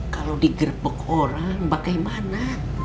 kalau digerbek orang bagaimana